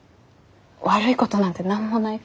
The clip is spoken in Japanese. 悪いことなんて何もないから。